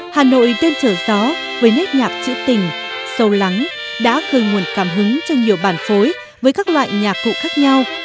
hà nội đêm trở gió với nét nhạc chữ tình sâu lắng đã gần nguồn cảm hứng cho nhiều bản phối với các loại nhạc cụ khác nhau